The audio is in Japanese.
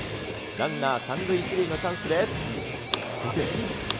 ランナー３塁１塁のチャンスで。